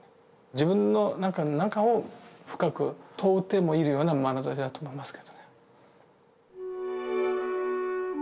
自分の中の中を深く問うてもいるようなまなざしだと思いますけどね。